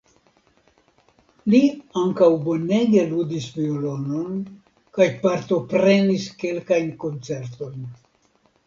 Li ankaŭ bonege ludis violonon kaj partoprenis kelkajn koncertojn.